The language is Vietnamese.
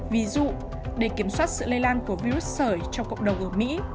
ví dụ để kiểm soát sự lây lan của virus sởi trong cộng đồng ở mỹ